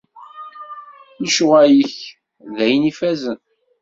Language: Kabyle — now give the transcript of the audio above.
Lecɣal-ik d ayen ifazen.